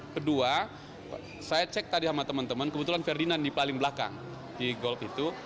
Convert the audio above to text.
kedua saya cek tadi sama teman teman kebetulan ferdinand di paling belakang di golf itu